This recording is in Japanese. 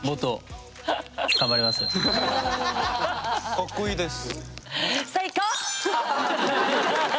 ・かっこいいです。